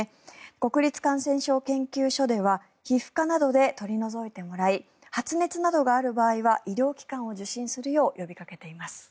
国立感染症研究所では皮膚科などで取り除いてもらい発熱などがある場合は医療機関を受診するよう呼びかけています。